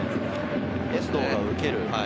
遠藤が受ける。